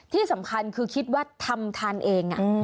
ที่สำคัญคือคิดว่าทำทานเอง